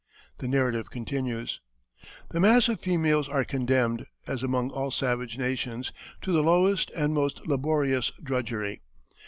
The narrative continues: "The mass of females are condemned, as among all savage nations, to the lowest and most laborious drudgery.